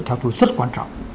theo tôi rất quan trọng